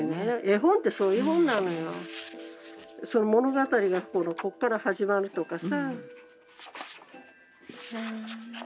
その物語がここから始まるとかさ。